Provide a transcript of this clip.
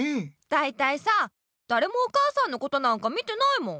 だいたいさだれもお母さんのことなんか見てないもん。